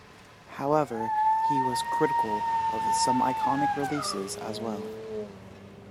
However he was critical of some iconic releases as well.